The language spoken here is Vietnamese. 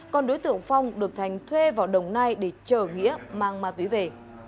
còn đối tượng phong được thành thuê vào đồng nai để chở nghĩa mang ma túy về